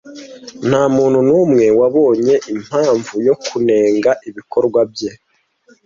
Ntamuntu numwe wabonye impamvu yo kunenga ibikorwa bye.